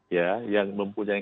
ya yang mempunyai